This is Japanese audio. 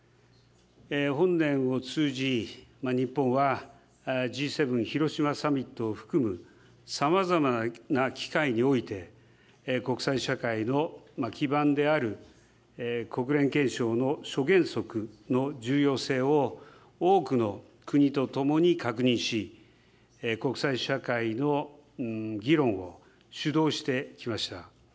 本年を通じ、日本はＧ７広島サミットを含むさまざまな機会において、国際社会の基盤である国連憲章の諸原則の重要性を多くの国と共に確認し、国際社会の議論を主導してきました。